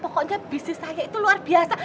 pokoknya bisnis saya itu luar biasa